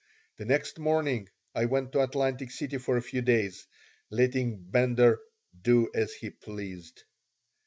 The next morning I went to Atlantic City for a few days, letting Bender "do as he pleased."